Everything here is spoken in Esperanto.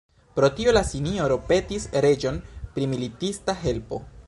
Pro tio la sinjoro petis reĝon pri militista helpo.